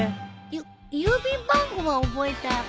ゆ郵便番号は覚えたよ。